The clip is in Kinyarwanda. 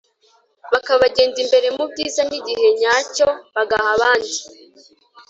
Bakabagenda imbere mu byizaN’igihe nyacyo bagaha abandi